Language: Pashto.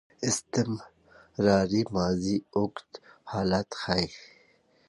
استمراري ماضي اوږد حالت ښيي.